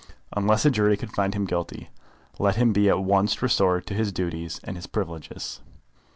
Unless a jury could find him guilty, let him be at once restored to his duties and his privileges.